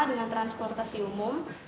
dengan transportasi umum